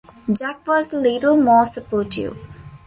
Jack was a little more supportive.